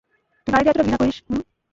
তুই নারীদের এতটা ঘৃণা করিস, হুম?